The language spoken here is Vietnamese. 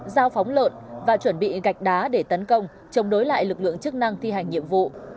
giao phóng lợn và chuẩn bị gạch đá để tấn công chống đối lại lực lượng chức năng thi hành nhiệm vụ